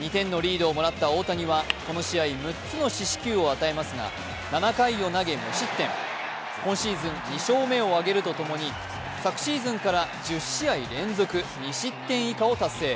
２点のリードをもらった大谷はこの試合６つの四死球を与えますが７回を投げ無失点今シーズン２勝目を挙げるとともに昨シーズンから１０試合連続２失点以下を達成。